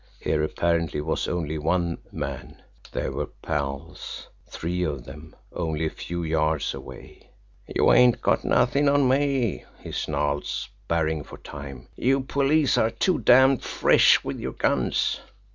Here, apparently, was only one man there were pals, three of them, only a few yards away. "You ain't got nothing on me!" he snarled, sparring for time. "You police are too damned fresh with your guns!"